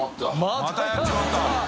またやっちまった？